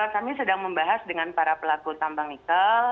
kami sedang membahas dengan para pelaku tambang nikel